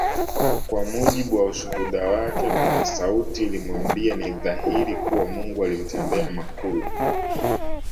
Kwa mujibu wa ushuhuda wake kuna sauti ilimwambia ni dhahiri kuwa Mungu alimtendea makuu